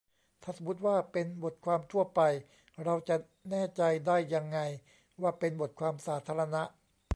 ถ้าสมมติว่าเป็นบทความทั่วไป เราจะแน่ใจได้ยังไงว่าเป็นบทความสาธารณะ